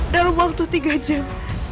dalam waktu tiga jam